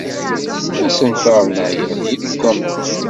Asenfar-nneɣ yeɣli deg waman.